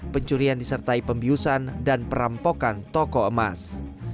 pencurian disertai pembiusan dan perampokan toko emas